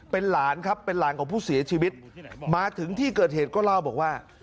เป็นหลานครับเป็นหลานของผู้เสียชีวิตมาถึงที่เกิดเหตุก็เล่าบอกว่า